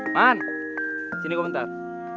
man sini gue bentar